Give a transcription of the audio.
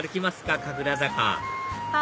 神楽坂あ！